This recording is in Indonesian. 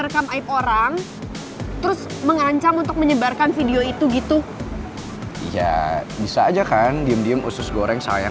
sampai jumpa di video selanjutnya